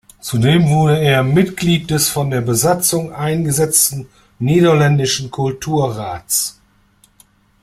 Zudem wurde er Mitglied des von der Besatzung eingesetzten Niederländischen Kulturrats.